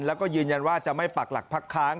แล้วก็ยืนยันว่าจะไม่ปักหลักพักค้าง